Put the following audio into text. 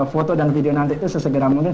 foto dan video nanti itu sesegera mungkin